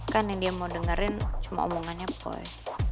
kan yang dia mau dengarin cuma omongannya boy